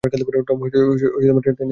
Tom tennis খেলতে পারে না।